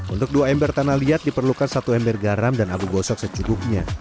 untuk dua ember tanah liat diperlukan satu ember garam dan abu gosok secukupnya